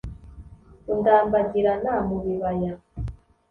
undambagirana mu bibaya